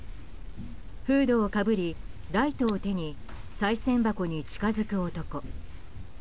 フードをかぶり、ライトを手にさい銭箱に近づく男。